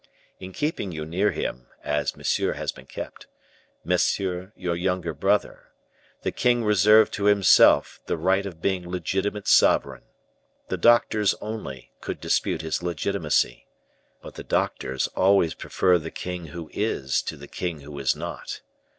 In keeping you near him, as Monsieur has been kept Monsieur, your younger brother the king reserved to himself the right of being legitimate sovereign. The doctors only could dispute his legitimacy. But the doctors always prefer the king who is to the king who is not.